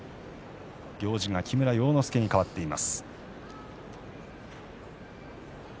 木村要之助にかわっています。